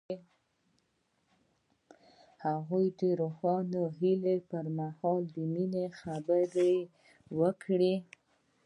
هغه د روښانه هیلې پر مهال د مینې خبرې وکړې.